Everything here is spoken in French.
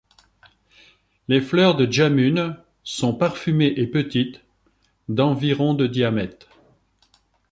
Les fleurs de Jamun sont parfumées et petites, d'environ de diamètre.